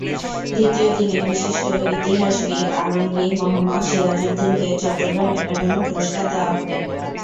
দ্বিতীয় দিনে বিশিষ্ট ইতিহাসবিদ আলমগীর মোহাম্মদ সিরাজুদ্দিনকে চট্টগ্রাম একাডেমি পুরস্কার দেওয়া হবে।